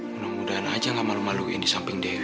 mudah mudahan aja nggak malu maluin di samping demo